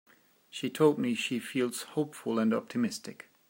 She told me she feels hopeful and optimistic.